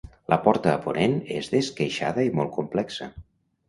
La porta a ponent és d'esqueixada i molt complexa.